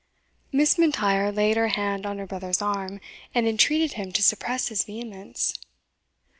Miss M'Intyre laid her hand on her brother's arm, and entreated him to suppress his vehemence.